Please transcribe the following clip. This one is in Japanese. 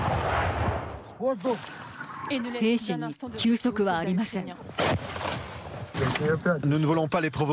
兵士に休息はありません。